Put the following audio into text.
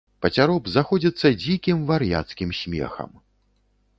Пацяроб заходзіцца дзікім вар'яцкім смехам.